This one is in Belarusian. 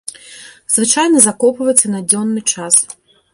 Звычайна закопваецца на дзённы час.